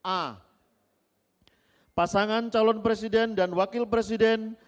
a pasangan calon presiden dan wakil presiden